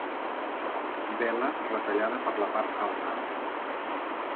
Vela retallada per la part alta.